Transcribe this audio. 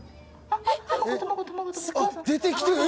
あっ出てきてる！